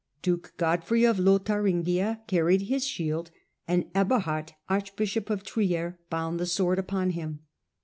Duke Godfrey of reign, 1065 Lothariugia carried his shield, and Eberhard, archbishop of Trier, bound the sword upon him.